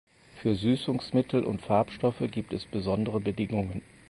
Für Süßungsmittel und Farbstoffe gibt es besondere Bedingungen.